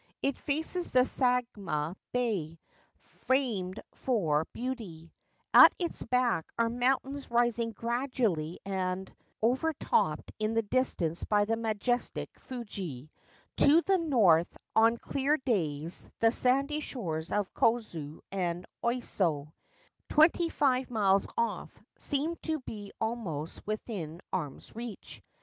It faces the Sagama Bay, famed for beauty ; at its back are mountains rising gradually and overtopped in the distance by the majestic Fuji ; to the north on clear days the sandy shores of Kozu and Oiso, twenty five miles off", seem to be almost within arm's reach.